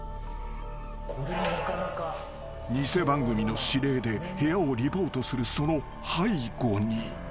［偽番組の指令で部屋をリポートするその背後に］